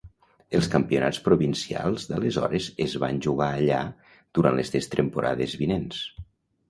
Els campionats provincials d'aleshores es van jugar allà durant les tres temporades vinents.